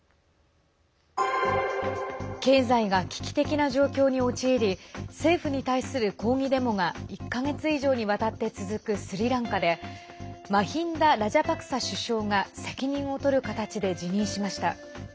経済が危機的な状況に陥り政府に対する抗議デモが１か月以上にわたって続くスリランカでマヒンダ・ラジャパクサ首相が責任を取る形で辞任しました。